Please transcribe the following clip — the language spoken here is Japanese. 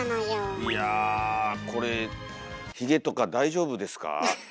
いやこれヒゲとか大丈夫ですか？